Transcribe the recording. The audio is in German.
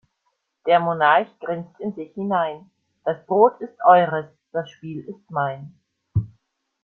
Der Monarch grinst in sich hinein: Das Brot ist eures, das Spiel ist mein.